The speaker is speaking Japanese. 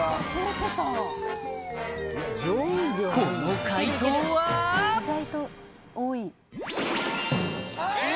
この快答はえっ！？